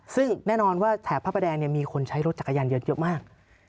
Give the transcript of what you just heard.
ซึ่งแน่นอนว่าแถบพระประแดงมีคนใช้รถจักรยานยนต์เยอะมาก